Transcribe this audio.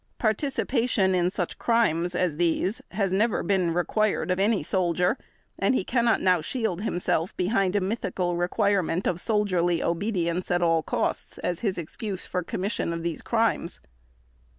Participation in such crimes as these has never been required of any soldier and he cannot now shield himself behind a mythical requirement of soldierly obedience at all costs as his excuse for commission of these crimes.